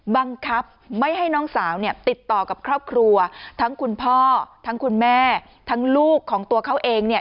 บังคับไม่ให้น้องสาวเนี่ยติดต่อกับครอบครัวทั้งคุณพ่อทั้งคุณแม่ทั้งลูกของตัวเขาเองเนี่ย